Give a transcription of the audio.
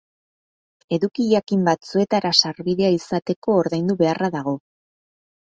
Eduki jakin batzuetara sarbidea izateko ordaindu beharra dago.